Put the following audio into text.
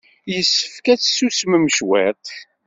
Yessefk ad tsusmem cwiṭ.